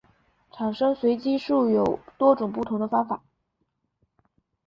产生随机数有多种不同的方法。